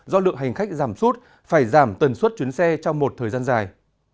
do lượng hành khách giảm suốt phải giảm tần suốt chuyến xe trong một thời gian dài